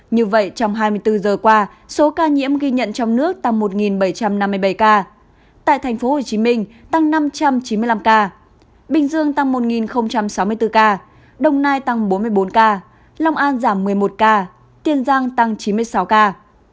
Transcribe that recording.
như vậy trong hai mươi bốn giờ qua số ca nhiễm ghi nhận trong nước tăng một bảy trăm năm mươi bảy ca tại tp hcm tăng năm trăm chín mươi năm ca bình dương tăng một sáu mươi bốn ca đồng nai tăng bốn mươi bốn ca long an giảm một mươi một ca kiên giang tăng chín mươi sáu ca